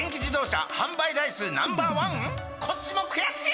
こっちも悔しい！